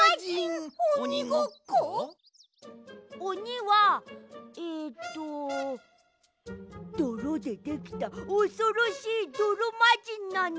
おにはえっとどろでできたおそろしいどろまじんなんだ。